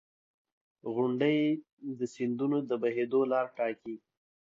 • غونډۍ د سیندونو د بهېدو لاره ټاکي.